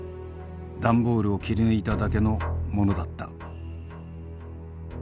段ボールを切り抜いただけのものだった。